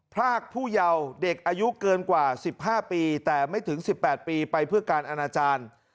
พรากผู้เยาว์เด็กอายุเกินกว่า๑๕ปีแต่ไม่ถึง๑๘ปีไปเพื่อการอนาจารย์